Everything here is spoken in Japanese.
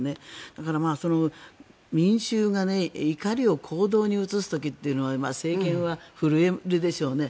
だから、民衆が怒りを行動に移す時というのは政権は震えるでしょうね。